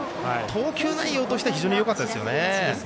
投球内容としては非常によかったですよね。